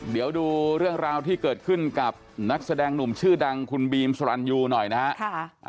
เดี๋ยวดูเรื่องราวที่เกิดขึ้นกับนักแสดงหนุ่มชื่อดังคุณบีมสรรยูหน่อยนะครับ